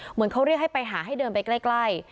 เหมือนเขาเรียกให้ไปหาให้เดินไปใกล้